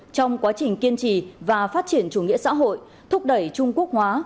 trong quá trình kiên trì và phát triển chủ nghĩa xã hội thúc đẩy trung quốc hóa